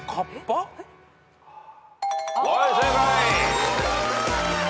はい正解。